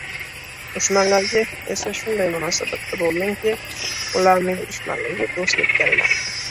dushmanlarga esa shunday munosabatda bo‘ldimki, ularning dushmanligi do‘stlikka aylandi.